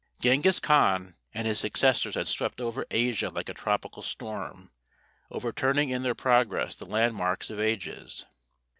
Gengis Khan and his successors had swept over Asia like a tropical storm, overturning in their progress the landmarks of ages.